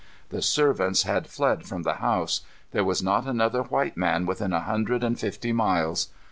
The servants had fled from the house. There was not another white man within a hundred and fifty miles.